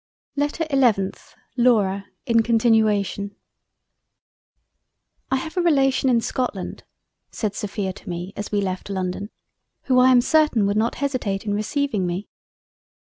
LETTER 11th LAURA in continuation "I have a Relation in Scotland (said Sophia to me as we left London) who I am certain would not hesitate in receiving me."